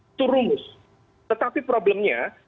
itu rumus tetapi problemnya